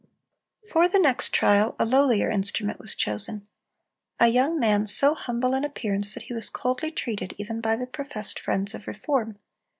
For the next trial a lowlier instrument was chosen,—a young man, so humble in appearance that he was coldly treated even by the professed friends of reform.